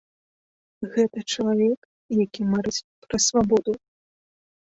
Гэта чалавек, які марыць пра свабоду.